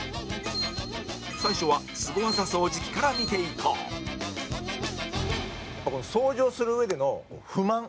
最初はスゴ技掃除機から見ていこう掃除をするうえでの不満。